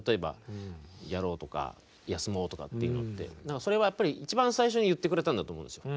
それはやっぱり一番最初に言ってくれたんだと思うんですよ。